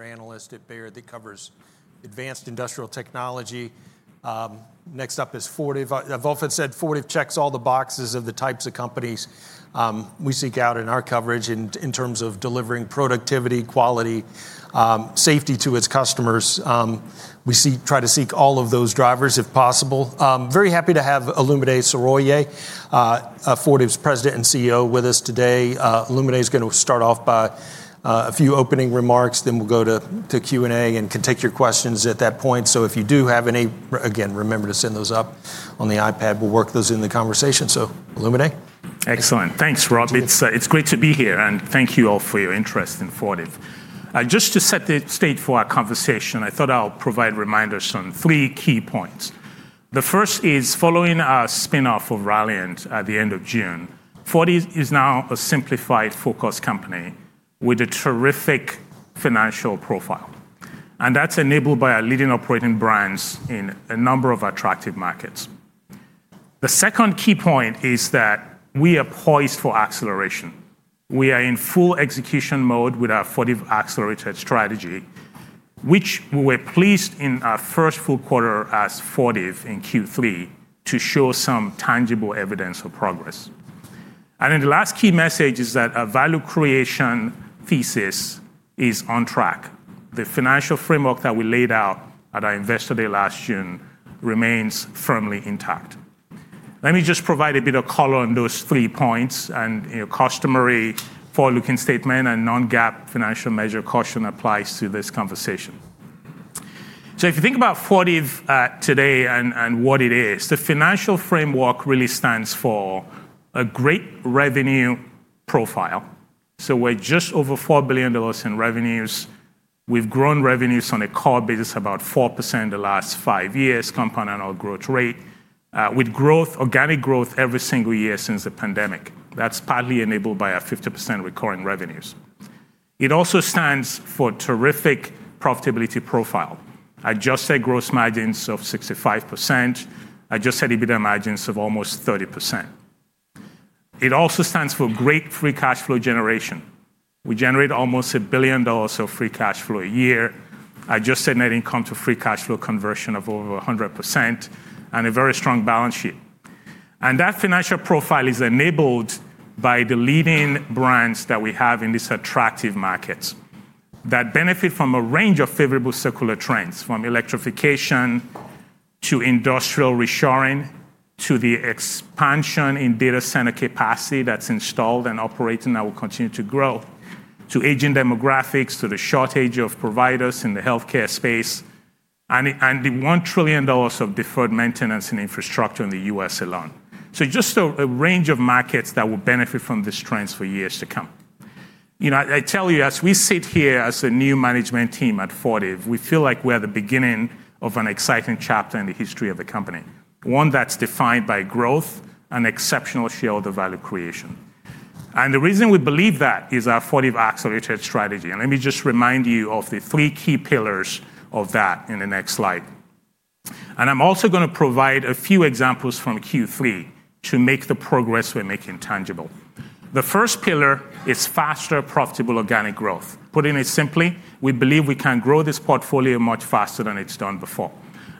Your analyst at Bayer that covers advanced industrial technology. Next up is Fortive. I've often said Fortive checks all the boxes of the types of companies we seek out in our coverage in terms of delivering productivity, quality, safety to its customers. We try to seek all of those drivers, if possible. Very happy to have Olumide Soroye, Fortive's President and CEO, with us today. Olumide is going to start off by a few opening remarks, then we'll go to Q&A and can take your questions at that point. If you do have any, again, remember to send those up on the iPad. We'll work those in the conversation. Olumide. Excellent. Thanks, Rod. It's great to be here, and thank you all for your interest in Fortive. Just to set the stage for our conversation, I thought I'll provide reminders on three key points. The first is, following our spinoff of Ralliant at the end of June, Fortive is now a simplified forecast company with a terrific financial profile, and that's enabled by our leading operating brands in a number of attractive markets. The second key point is that we are poised for acceleration. We are in full execution mode with our Fortive Accelerated strategy, which we were pleased in our first full quarter as Fortive in Q3 to show some tangible evidence of progress. The last key message is that our value creation thesis is on track. The financial framework that we laid out at our investor day last June remains firmly intact. Let me just provide a bit of color on those three points and a customary forward-looking statement and non-GAAP financial measure caution applies to this conversation. If you think about Fortive today and what it is, the financial framework really stands for a great revenue profile. We're just over $4 billion in revenues. We've grown revenues on a core basis about 4% in the last five years, compounding our growth rate with organic growth every single year since the pandemic. That's partly enabled by our 50% recurring revenues. It also stands for a terrific profitability profile. I just said gross margins of 65%. I just said EBITDA margins of almost 30%. It also stands for great free cash flow generation. We generate almost $1 billion of free cash flow a year. I just said net income to free cash flow conversion of over 100% and a very strong balance sheet. That financial profile is enabled by the leading brands that we have in these attractive markets that benefit from a range of favorable circular trends, from electrification to industrial reshoring to the expansion in data center capacity that is installed and operating that will continue to grow, to aging demographics, to the shortage of providers in the healthcare space, and the $1 trillion of deferred maintenance and infrastructure in the U.S. alone. Just a range of markets that will benefit from these trends for years to come. I tell you, as we sit here as a new management team at Fortive, we feel like we are at the beginning of an exciting chapter in the history of the company, one that is defined by growth and exceptional shareholder value creation. The reason we believe that is our Fortive Accelerated strategy. Let me just remind you of the three key pillars of that in the next slide. I'm also going to provide a few examples from Q3 to make the progress we're making tangible. The first pillar is faster, profitable organic growth. Putting it simply, we believe we can grow this portfolio much faster than it's done before.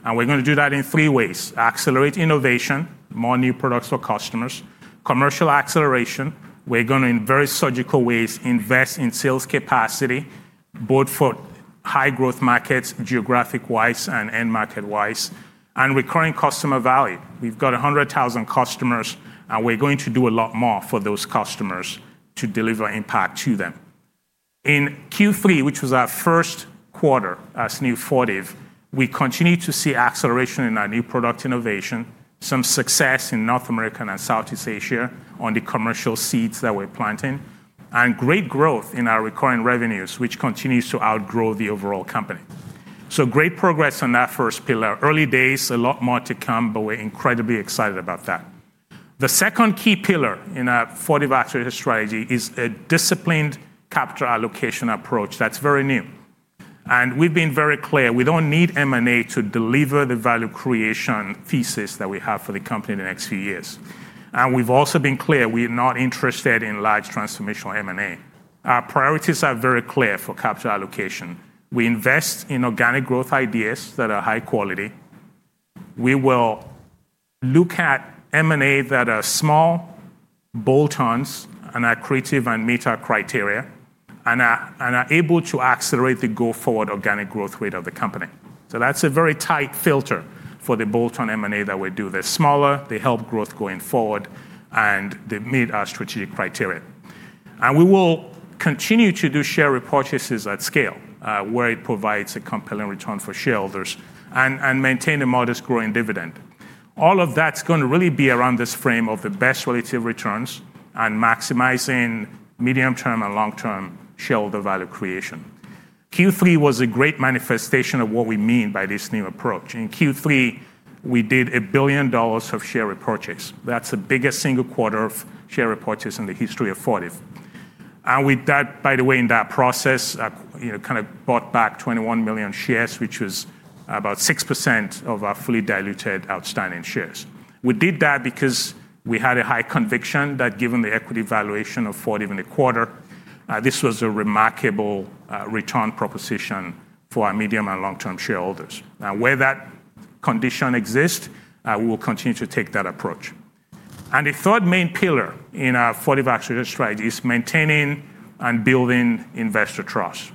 We're going to do that in three ways: accelerate innovation, more new products for customers, commercial acceleration. We're going to, in very surgical ways, invest in sales capacity, both for high growth markets geographic-wise and end market-wise, and recurring customer value. We've got 100,000 customers, and we're going to do a lot more for those customers to deliver impact to them. In Q3, which was our first quarter as new Fortive, we continue to see acceleration in our new product innovation, some success in North America and Southeast Asia on the commercial seeds that we're planting, and great growth in our recurring revenues, which continues to outgrow the overall company. Great progress on that first pillar. Early days, a lot more to come, but we're incredibly excited about that. The second key pillar in our Fortive Accelerated strategy is a disciplined capital allocation approach that's very new. We've been very clear we don't need M&A to deliver the value creation thesis that we have for the company in the next few years. We've also been clear we're not interested in large transformational M&A. Our priorities are very clear for capital allocation. We invest in organic growth ideas that are high quality. We will look at M&A that are small, bolt-ons, and are creative and meet our criteria and are able to accelerate the go-forward organic growth rate of the company. That is a very tight filter for the bolt-on M&A that we do. They are smaller. They help growth going forward, and they meet our strategic criteria. We will continue to do share repurchases at scale where it provides a compelling return for shareholders and maintain a modest growing dividend. All of that is going to really be around this frame of the best relative returns and maximizing medium-term and long-term shareholder value creation. Q3 was a great manifestation of what we mean by this new approach. In Q3, we did $1 billion of share repurchase. That is the biggest single quarter of share repurchase in the history of Fortive. We did that, by the way, in that process, kind of bought back 21 million shares, which was about 6% of our fully diluted outstanding shares. We did that because we had a high conviction that given the equity valuation of Fortive in the quarter, this was a remarkable return proposition for our medium and long-term shareholders. Where that condition exists, we will continue to take that approach. The third main pillar in our Fortive Accelerated strategy is maintaining and building investor trust.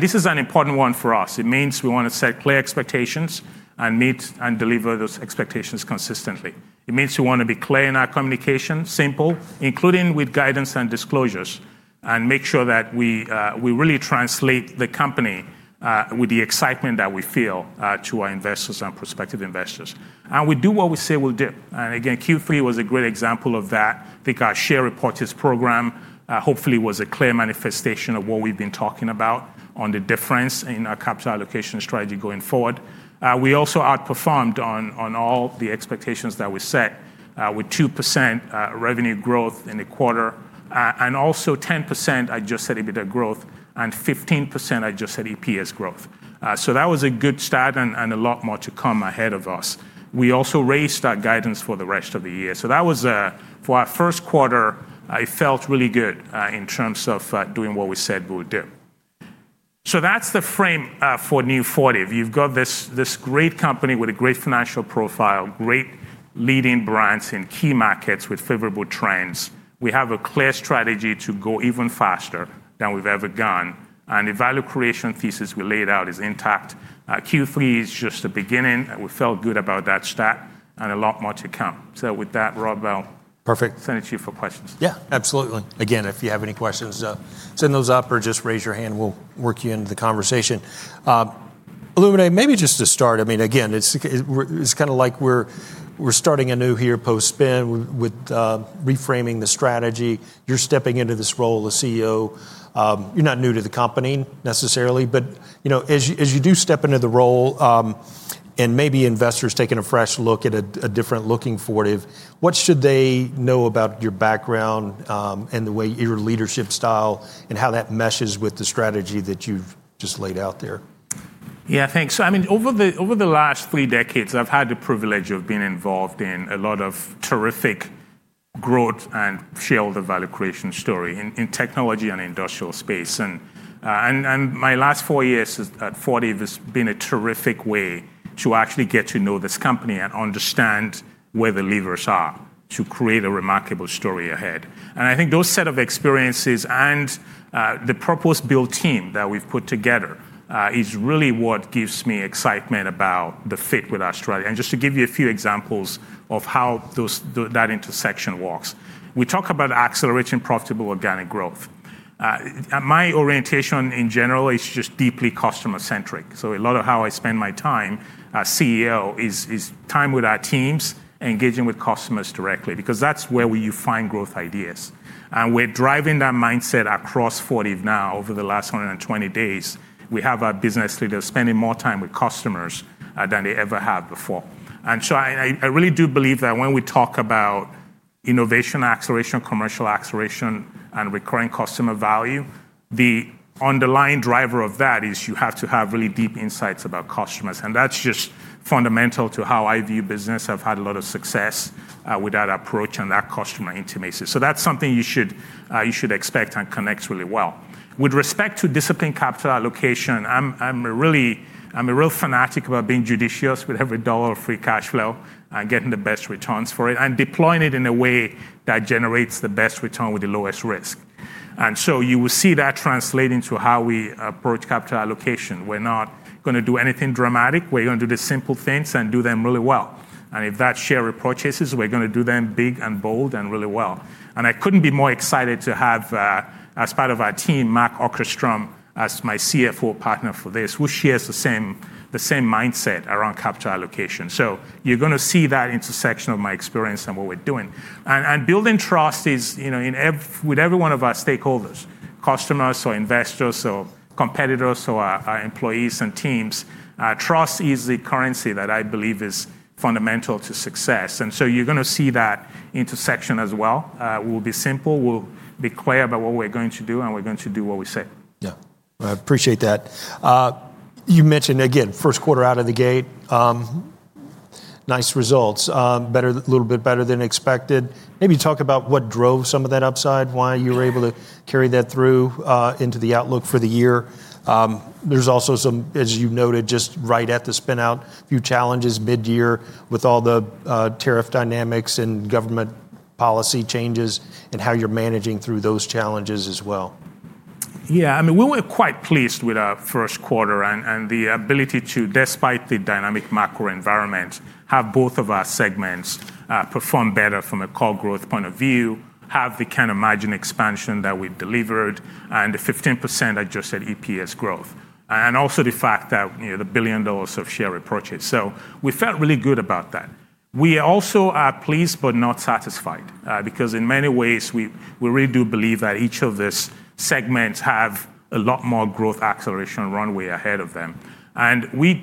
This is an important one for us. It means we want to set clear expectations and meet and deliver those expectations consistently. It means we want to be clear in our communication, simple, including with guidance and disclosures, and make sure that we really translate the company with the excitement that we feel to our investors and prospective investors. We do what we say we'll do. Q3 was a great example of that. I think our share repurchase program hopefully was a clear manifestation of what we've been talking about on the difference in our capital allocation strategy going forward. We also outperformed on all the expectations that were set with 2% revenue growth in the quarter and also 10% EBITDA growth, and 15% EPS growth. That was a good start and a lot more to come ahead of us. We also raised our guidance for the rest of the year. That was for our first quarter, it felt really good in terms of doing what we said we would do. That's the frame for new Fortive. You've got this great company with a great financial profile, great leading brands in key markets with favorable trends. We have a clear strategy to go even faster than we've ever gone. The value creation thesis we laid out is intact. Q3 is just the beginning. We felt good about that start and a lot more to come. With that, Rod, I'll send it to you for questions. Yeah, absolutely. Again, if you have any questions, send those up or just raise your hand. We'll work you into the conversation. Olumide, maybe just to start, I mean, again, it's kind of like we're starting anew here post-spin with reframing the strategy. You're stepping into this role as CEO. You're not new to the company necessarily, but as you do step into the role and maybe investors taking a fresh look at a different looking Fortive, what should they know about your background and the way your leadership style and how that meshes with the strategy that you've just laid out there? Yeah, thanks. I mean, over the last three decades, I've had the privilege of being involved in a lot of terrific growth and shareholder value creation story in technology and industrial space. My last four years at Fortive has been a terrific way to actually get to know this company and understand where the levers are to create a remarkable story ahead. I think those set of experiences and the purpose-built team that we've put together is really what gives me excitement about the fit with Australia. Just to give you a few examples of how that intersection works, we talk about accelerating profitable organic growth. My orientation in general is just deeply customer-centric. A lot of how I spend my time as CEO is time with our teams, engaging with customers directly, because that's where you find growth ideas. We are driving that mindset across Fortive now over the last 120 days. We have our business leaders spending more time with customers than they ever have before. I really do believe that when we talk about innovation, acceleration, commercial acceleration, and recurring customer value, the underlying driver of that is you have to have really deep insights about customers. That is just fundamental to how I view business. I have had a lot of success with that approach and that customer intimacy. That is something you should expect and connect really well. With respect to disciplined capital allocation, I am a real fanatic about being judicious with every dollar of free cash flow and getting the best returns for it and deploying it in a way that generates the best return with the lowest risk. You will see that translate into how we approach capital allocation. We're not going to do anything dramatic. We're going to do the simple things and do them really well. If that's share repurchases, we're going to do them big and bold and really well. I couldn't be more excited to have, as part of our team, Mark Okerstrom as my CFO partner for this, who shares the same mindset around capital allocation. You're going to see that intersection of my experience and what we're doing. Building trust is with every one of our stakeholders, customers or investors or competitors or our employees and teams. Trust is the currency that I believe is fundamental to success. You're going to see that intersection as well. We'll be simple. We'll be clear about what we're going to do, and we're going to do what we say. Yeah, I appreciate that. You mentioned, again, first quarter out of the gate, nice results, a little bit better than expected. Maybe talk about what drove some of that upside, why you were able to carry that through into the outlook for the year. There is also some, as you noted, just right at the spinout, a few challenges mid-year with all the tariff dynamics and government policy changes and how you are managing through those challenges as well. Yeah, I mean, we were quite pleased with our first quarter and the ability to, despite the dynamic macro environment, have both of our segments perform better from a core growth point of view, have the kind of margin expansion that we delivered, and the 15% adjusted EPS growth I just said, and also the fact that the $1 billion of share repurchase. We felt really good about that. We also are pleased but not satisfied because in many ways, we really do believe that each of these segments have a lot more growth acceleration runway ahead of them. We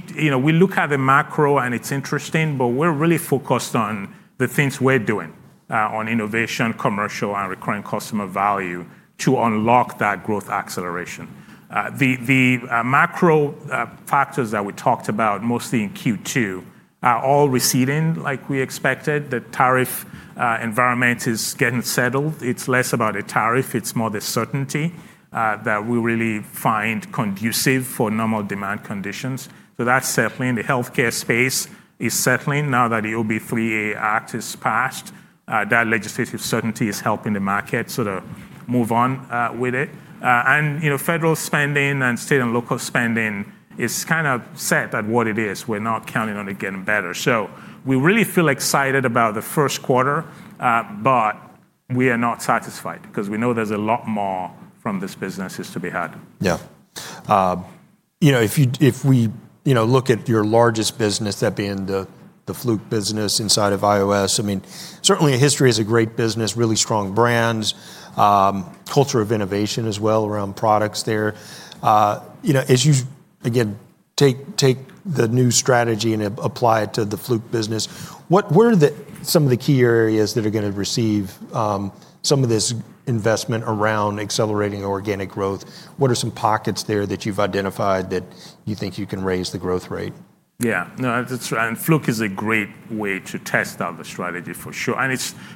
look at the macro, and it's interesting, but we're really focused on the things we're doing on innovation, commercial, and recurring customer value to unlock that growth acceleration. The macro factors that we talked about mostly in Q2 are all receding like we expected. The tariff environment is getting settled. It's less about a tariff. It's more the certainty that we really find conducive for normal demand conditions. That's settling. The healthcare space is settling now that the OB3A Act is passed. That legislative certainty is helping the market sort of move on with it. Federal spending and state and local spending is kind of set at what it is. We're not counting on it getting better. We really feel excited about the first quarter, but we are not satisfied because we know there's a lot more from these businesses to be had. Yeah. If we look at your largest business, that being the Fluke business inside of iOS, I mean, certainly a history as a great business, really strong brands, culture of innovation as well around products there. As you, again, take the new strategy and apply it to the Fluke business, what are some of the key areas that are going to receive some of this investment around accelerating organic growth? What are some pockets there that you've identified that you think you can raise the growth rate? Yeah, no, that's right. Fluke is a great way to test out the strategy for sure.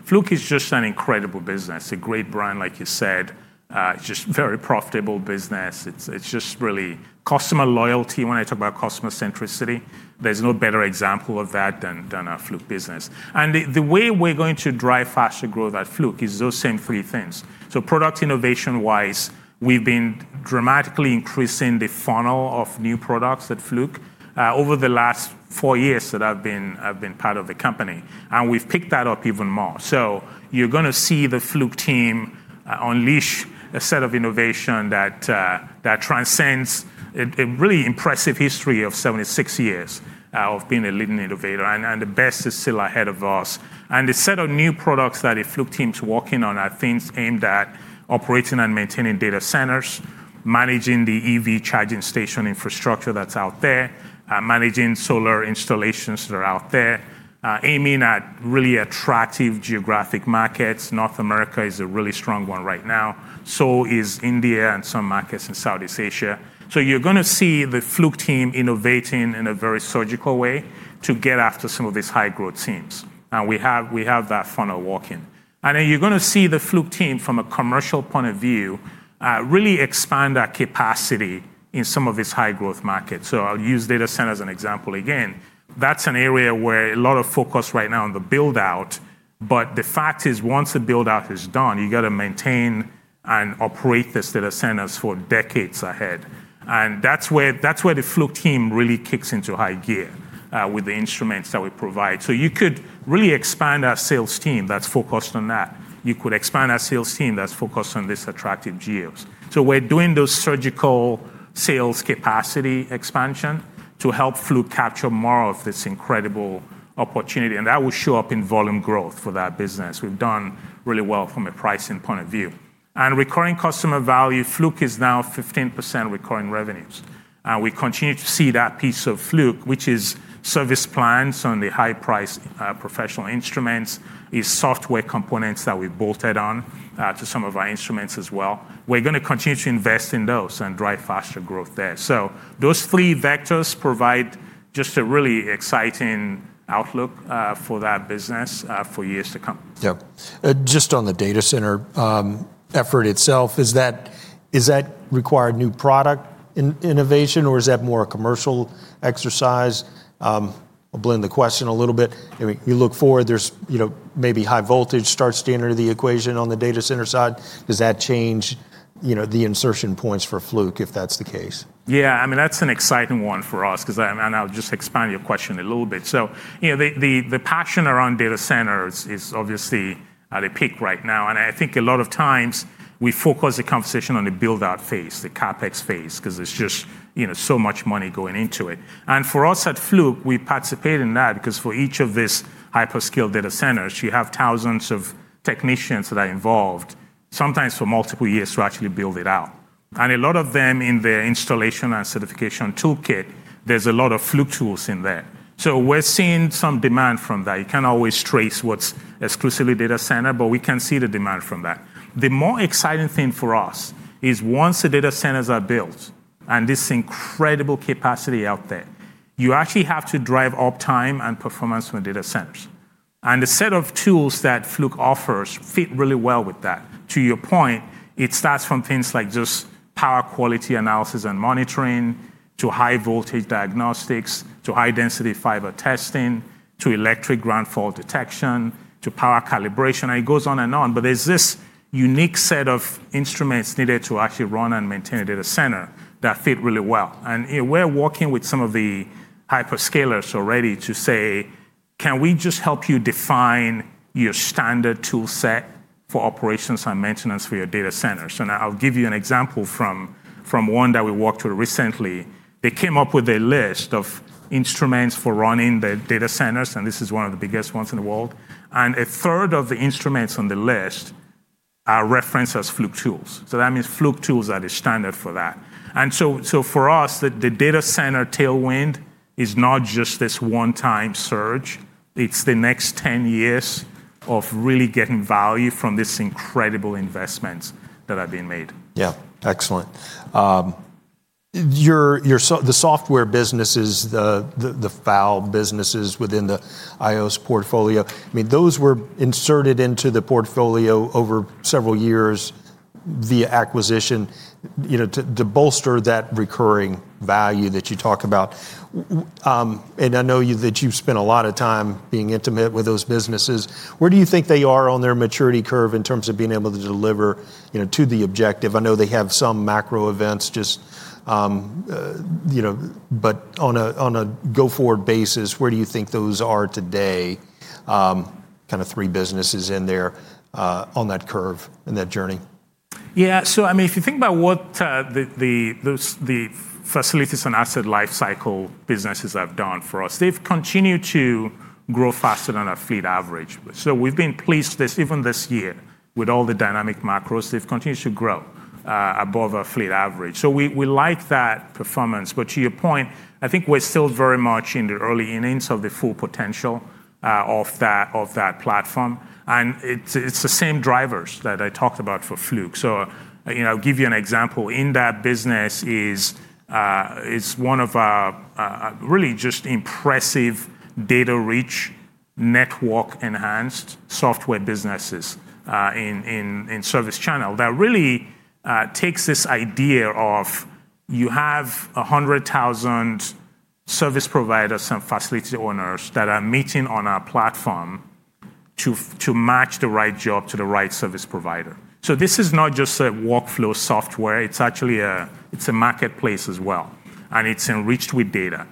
Fluke is just an incredible business, a great brand, like you said. It's just a very profitable business. It's just really customer loyalty when I talk about customer centricity. There is no better example of that than our Fluke business. The way we're going to drive faster growth at Fluke is those same three things. Product innovation-wise, we've been dramatically increasing the funnel of new products at Fluke over the last four years that I've been part of the company. We've picked that up even more. You are going to see the Fluke team unleash a set of innovation that transcends a really impressive history of 76 years of being a leading innovator. The best is still ahead of us. The set of new products that the Fluke team is working on are things aimed at operating and maintaining data centers, managing the EV charging station infrastructure that's out there, managing solar installations that are out there, aiming at really attractive geographic markets. North America is a really strong one right now. India and some markets in Southeast Asia are as well. You're going to see the Fluke team innovating in a very surgical way to get after some of these high-growth teams. We have that funnel working. You're going to see the Fluke team from a commercial point of view really expand our capacity in some of these high-growth markets. I'll use data centers as an example again. That's an area where there is a lot of focus right now on the build-out. The fact is, once the build-out is done, you've got to maintain and operate these data centers for decades ahead. That is where the Fluke team really kicks into high gear with the instruments that we provide. You could really expand our sales team that's focused on that. You could expand our sales team that's focused on these attractive geos. We are doing those surgical sales capacity expansion to help Fluke capture more of this incredible opportunity. That will show up in volume growth for that business. We've done really well from a pricing point of view. In recurring customer value, Fluke is now 15% recurring revenues. We continue to see that piece of Fluke, which is service plans on the high-priced professional instruments, is software components that we've bolted on to some of our instruments as well. We're going to continue to invest in those and drive faster growth there. Those three vectors provide just a really exciting outlook for that business for years to come. Yeah. Just on the data center effort itself, is that required new product innovation, or is that more a commercial exercise? I'll blend the question a little bit. I mean, you look forward, there's maybe high voltage starts to enter the equation on the data center side. Does that change the insertion points for Fluke if that's the case? Yeah, I mean, that's an exciting one for us because I'll just expand your question a little bit. The passion around data centers is obviously at a peak right now. I think a lot of times we focus the conversation on the build-out phase, the CapEx phase, because there's just so much money going into it. For us at Fluke, we participate in that because for each of these hyperscale data centers, you have thousands of technicians that are involved, sometimes for multiple years to actually build it out. A lot of them in the installation and certification toolkit, there's a lot of Fluke tools in there. We're seeing some demand from that. You can't always trace what's exclusively data center, but we can see the demand from that. The more exciting thing for us is once the data centers are built and this incredible capacity out there, you actually have to drive uptime and performance from data centers. The set of tools that Fluke offers fit really well with that. To your point, it starts from things like just power quality analysis and monitoring to high-voltage diagnostics to high-density fiber testing to electric ground fault detection to power calibration. It goes on and on. There is this unique set of instruments needed to actually run and maintain a data center that fit really well. We are working with some of the hyperscalers already to say, can we just help you define your standard toolset for operations and maintenance for your data centers? I will give you an example from one that we worked with recently. They came up with a list of instruments for running the data centers, and this is one of the biggest ones in the world. A third of the instruments on the list are referenced as Fluke tools. That means Fluke tools are the standard for that. For us, the data center tailwind is not just this one-time surge. It is the next 10 years of really getting value from these incredible investments that are being made. Yeah, excellent. The software businesses, the FAL businesses within the iOS portfolio, I mean, those were inserted into the portfolio over several years via acquisition to bolster that recurring value that you talk about. I know that you have spent a lot of time being intimate with those businesses. Where do you think they are on their maturity curve in terms of being able to deliver to the objective? I know they have some macro events, but on a go-forward basis, where do you think those are today, kind of three businesses in there on that curve and that journey? Yeah, so I mean, if you think about what the facilities and asset lifecycle businesses have done for us, they've continued to grow faster than our fleet average. So we've been pleased even this year with all the dynamic macros. They've continued to grow above our fleet average. We like that performance. To your point, I think we're still very much in the early innings of the full potential of that platform. It's the same drivers that I talked about for Fluke. I'll give you an example. In that business is one of our really just impressive data reach, network-enhanced software businesses in ServiceChannel that really takes this idea of you have 100,000 service providers and facility owners that are meeting on our platform to match the right job to the right service provider. This is not just a workflow software. It's actually a marketplace as well. It's enriched with data.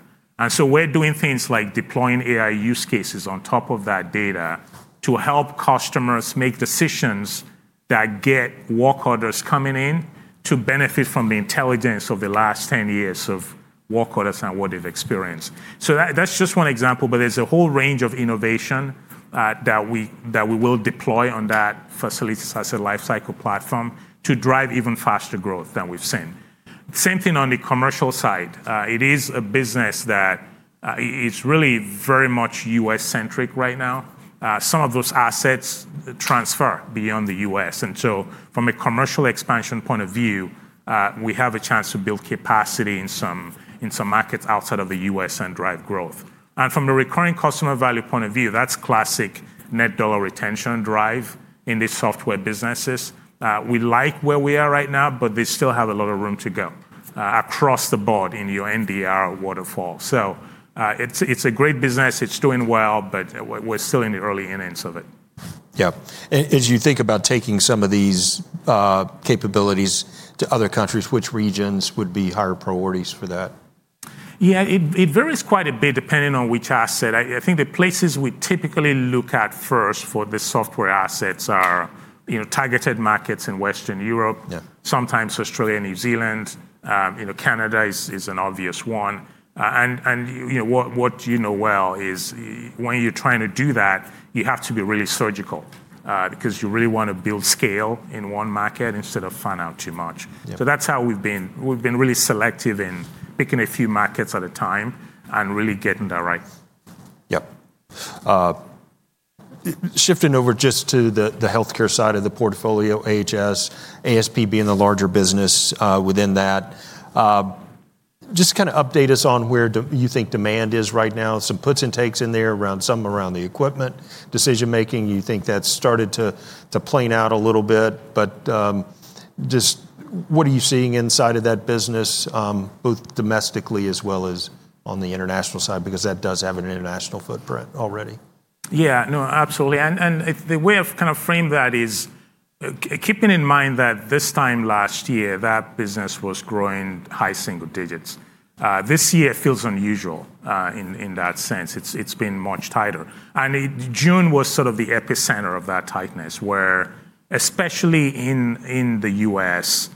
We're doing things like deploying AI use cases on top of that data to help customers make decisions that get work orders coming in to benefit from the intelligence of the last 10 years of work orders and what they've experienced. That's just one example. There's a whole range of innovation that we will deploy on that facilities asset lifecycle platform to drive even faster growth than we've seen. Same thing on the commercial side. It is a business that is really very much U.S.-centric right now. Some of those assets transfer beyond the U.S. From a commercial expansion point of view, we have a chance to build capacity in some markets outside of the U.S. and drive growth. From a recurring customer value point of view, that's classic net dollar retention drive in these software businesses. We like where we are right now, but they still have a lot of room to go across the board in your NDR waterfall. It is a great business. It is doing well, but we are still in the early innings of it. Yeah. As you think about taking some of these capabilities to other countries, which regions would be higher priorities for that? Yeah, it varies quite a bit depending on which asset. I think the places we typically look at first for the software assets are targeted markets in Western Europe, sometimes Australia, New Zealand. Canada is an obvious one. And what you know well is when you're trying to do that, you have to be really surgical because you really want to build scale in one market instead of fan out too much. That is how we've been really selective in picking a few markets at a time and really getting that right. Yep. Shifting over just to the healthcare side of the portfolio, HS, ASP being the larger business within that. Just kind of update us on where you think demand is right now, some puts and takes in there, some around the equipment decision-making. You think that's started to plane out a little bit. Just what are you seeing inside of that business, both domestically as well as on the international side? Because that does have an international footprint already. Yeah, no, absolutely. The way I've kind of framed that is keeping in mind that this time last year, that business was growing high single digits. This year feels unusual in that sense. It's been much tighter. June was sort of the epicenter of that tightness, where especially in the U.S.,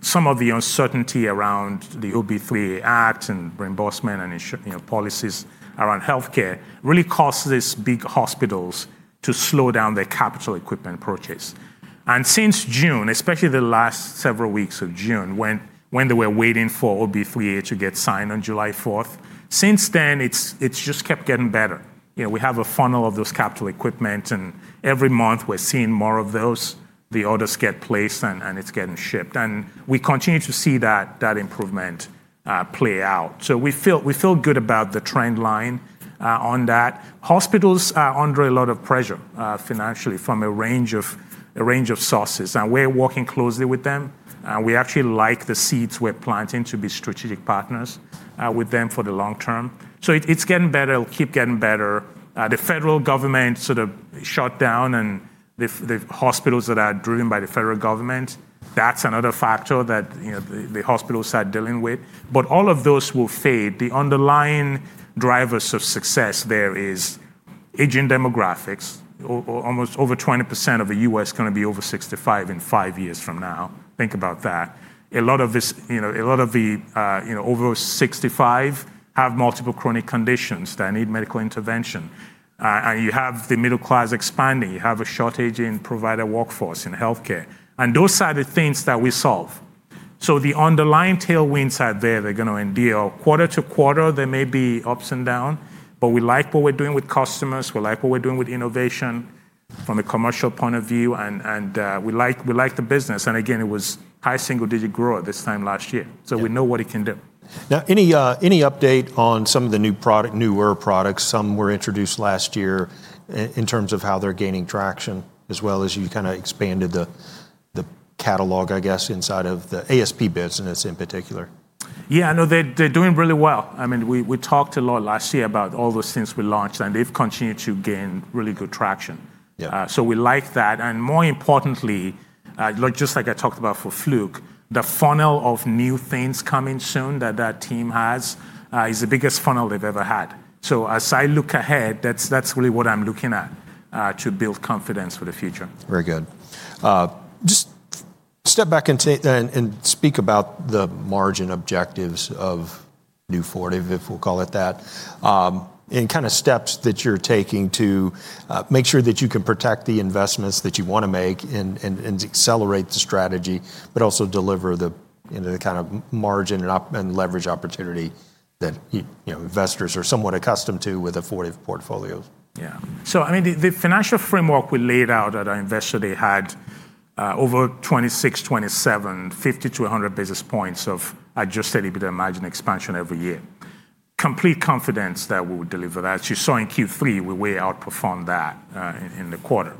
some of the uncertainty around the OB3A Act and reimbursement and policies around healthcare really caused these big hospitals to slow down their capital equipment purchase. Since June, especially the last several weeks of June, when they were waiting for OB3A to get signed on July 4, since then, it's just kept getting better. We have a funnel of those capital equipment. Every month, we're seeing more of those. The orders get placed, and it's getting shipped. We continue to see that improvement play out. We feel good about the trend line on that. Hospitals are under a lot of pressure financially from a range of sources. We're working closely with them. We actually like the seeds we're planting to be strategic partners with them for the long term. It's getting better. It'll keep getting better. The federal government sort of shut down, and the hospitals that are driven by the federal government, that's another factor that the hospitals are dealing with. All of those will fade. The underlying drivers of success there are aging demographics. Almost over 20% of the U.S. is going to be over 65 in five years from now. Think about that. A lot of the over 65 have multiple chronic conditions that need medical intervention. You have the middle class expanding. You have a shortage in provider workforce in healthcare. Those are the things that we solve. The underlying tailwinds are there. They are going to endure. Quarter to quarter, there may be ups and downs. We like what we are doing with customers. We like what we are doing with innovation from a commercial point of view. We like the business. Again, it was high single-digit growth this time last year. We know what it can do. Now, any update on some of the newer products? Some were introduced last year in terms of how they're gaining traction, as well as you kind of expanded the catalog, I guess, inside of the ASP business in particular? Yeah, no, they're doing really well. I mean, we talked a lot last year about all those things we launched. They've continued to gain really good traction. We like that. More importantly, just like I talked about for Fluke, the funnel of new things coming soon that that team has is the biggest funnel they've ever had. As I look ahead, that's really what I'm looking at to build confidence for the future. Very good. Just step back and speak about the margin objectives of New Fortive, if we'll call it that, and kind of steps that you're taking to make sure that you can protect the investments that you want to make and accelerate the strategy, but also deliver the kind of margin and leverage opportunity that investors are somewhat accustomed to with Fortive portfolios. Yeah. I mean, the financial framework we laid out at our investor day had over 26, 27, 50 to 100 basis points of adjusted EBITDA margin expansion every year. Complete confidence that we will deliver that. As you saw in Q3, we outperformed that in the quarter.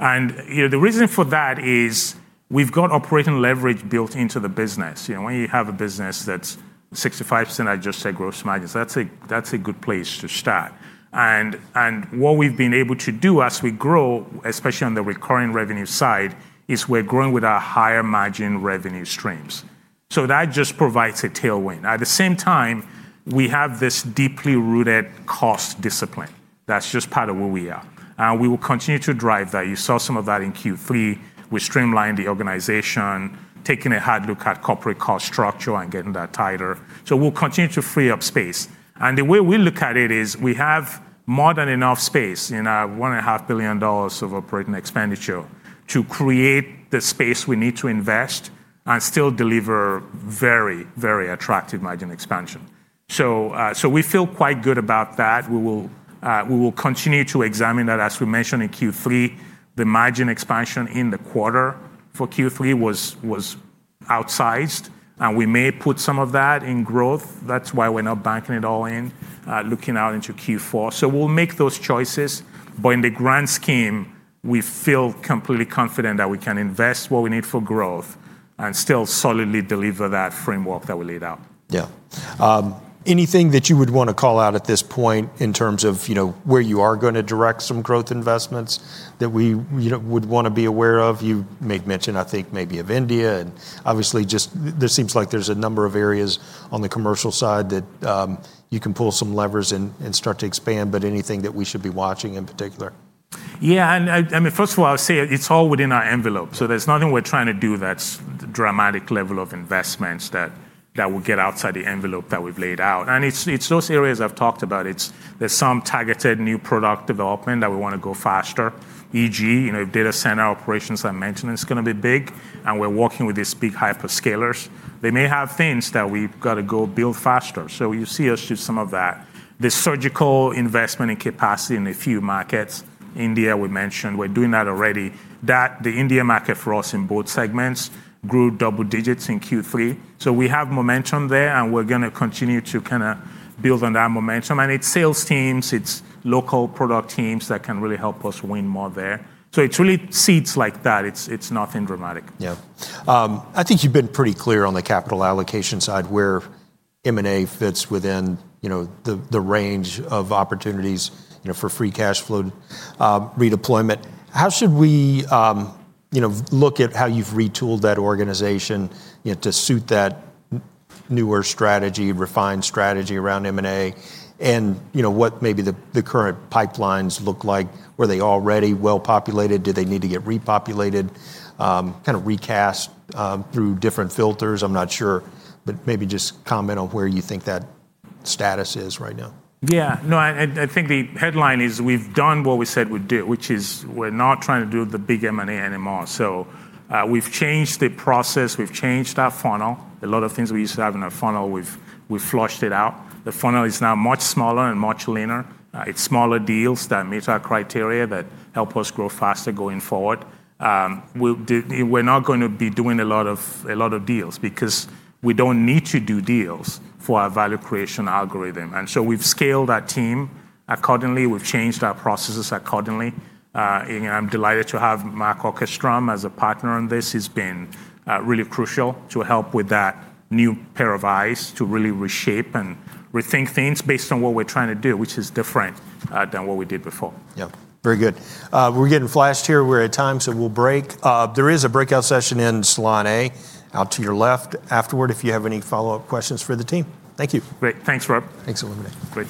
The reason for that is we've got operating leverage built into the business. When you have a business that's 65% adjusted gross margins, that's a good place to start. What we've been able to do as we grow, especially on the recurring revenue side, is we're growing with our higher margin revenue streams. That just provides a tailwind. At the same time, we have this deeply rooted cost discipline. That's just part of who we are. We will continue to drive that. You saw some of that in Q3. We streamlined the organization, taking a hard look at corporate cost structure and getting that tighter. We will continue to free up space. The way we look at it is we have more than enough space in our $1.5 billion of operating expenditure to create the space we need to invest and still deliver very, very attractive margin expansion. We feel quite good about that. We will continue to examine that. As we mentioned in Q3, the margin expansion in the quarter for Q3 was outsized. We may put some of that in growth. That is why we are not banking it all in, looking out into Q4. We will make those choices. In the grand scheme, we feel completely confident that we can invest what we need for growth and still solidly deliver that framework that we laid out. Yeah. Anything that you would want to call out at this point in terms of where you are going to direct some growth investments that we would want to be aware of? You may have mentioned, I think, maybe India. Obviously, just there seems like there's a number of areas on the commercial side that you can pull some levers and start to expand. Anything that we should be watching in particular? Yeah. I mean, first of all, I'll say it's all within our envelope. There's nothing we're trying to do that's dramatic level of investments that we get outside the envelope that we've laid out. It's those areas I've talked about. There's some targeted new product development that we want to go faster, e.g., if data center operations and maintenance is going to be big, and we're working with these big hyperscalers, they may have things that we've got to go build faster. You see us do some of that. The surgical investment in capacity in a few markets, India, we mentioned. We're doing that already. The India market for us in both segments grew double digits in Q3. We have momentum there. We're going to continue to kind of build on that momentum. It's sales teams. It's local product teams that can really help us win more there. It's really seeds like that. It's nothing dramatic. Yeah. I think you've been pretty clear on the capital allocation side, where M&A fits within the range of opportunities for free cash flow redeployment. How should we look at how you've retooled that organization to suit that newer strategy, refined strategy around M&A? And what maybe the current pipelines look like? Were they already well-populated? Do they need to get repopulated, kind of recast through different filters? I'm not sure. Maybe just comment on where you think that status is right now. Yeah. No, I think the headline is we've done what we said we'd do, which is we're not trying to do the big M&A anymore. We've changed the process. We've changed our funnel. A lot of things we used to have in our funnel, we've flushed it out. The funnel is now much smaller and much leaner. It's smaller deals that meet our criteria that help us grow faster going forward. We're not going to be doing a lot of deals because we don't need to do deals for our value creation algorithm. We've scaled our team accordingly. We've changed our processes accordingly. I'm delighted to have Mark Okerstrom as a partner on this. He's been really crucial to help with that new pair of eyes to really reshape and rethink things based on what we're trying to do, which is different than what we did before. Yeah. Very good. We're getting flashed here. We're at time, so we'll break. There is a breakout session in Salon A out to your left afterward if you have any follow-up questions for the team. Thank you. Great. Thanks, Rod. Thanks, Olumide.